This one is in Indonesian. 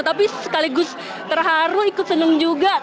tapi sekaligus terharu ikut seneng juga